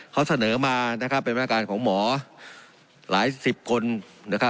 เขาเสนอมานะครับเป็นมาตรการของหมอหลายสิบคนนะครับ